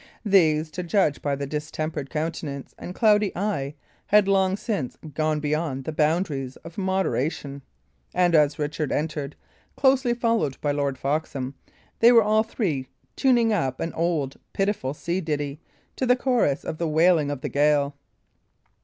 These, to judge by the distempered countenance and cloudy eye, had long since gone beyond the boundaries of moderation; and as Richard entered, closely followed by Lord Foxham, they were all three tuning up an old, pitiful sea ditty, to the chorus of the wailing of the gale.